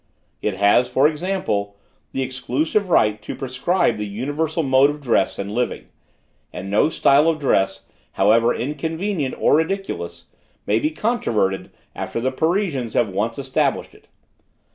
It has, for example, the exclusive right to prescribe the universal mode of dress and living; and no style of dress, however inconvenient or ridiculous, may be controverted after the Parisians have once established it.